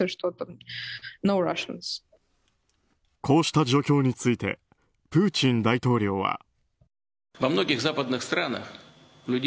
こうした状況についてプーチン大統領は。